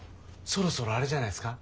そろそろあれじゃないですか？